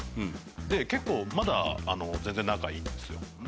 で、結構まだ全然仲いいんですよ。